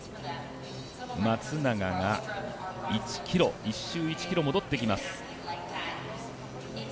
松永が１周１ｋｍ戻ってきます。